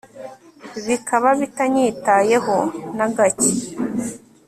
Bikaba bitanyitayeho na gacye